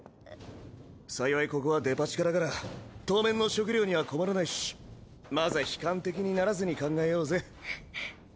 幸いここはデパ地下だから当面の食料には困らないしまずは悲観的にならずに考えようぜ。